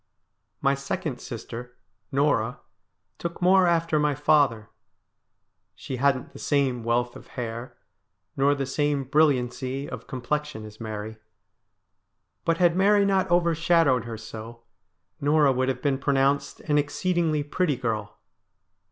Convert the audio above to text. My second sister, Norah, took more after my father. She hadn't the same wealth of hair, nor the same brilliancy of complexion, as Mary. But had Mary not overshadowed her so, Norah would have been pronounced an exceedingly pretty girl.